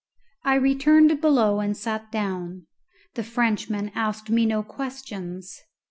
I returned below and sat down. The Frenchman asked me no questions.